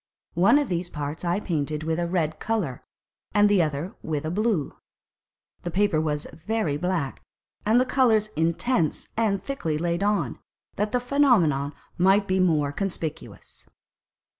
One of these parts I painted with a red colour and the other with a blue. The Paper was very black, and the Colours intense and thickly laid on, that the Phænomenon might be more conspicuous.